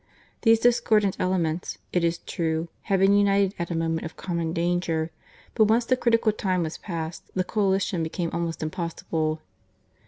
These discordant elements, it is true, had been united at a moment of common danger ; but once the critical time was passed, the coalition became almost impossible.